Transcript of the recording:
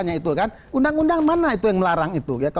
ini bukan sumbangan anggota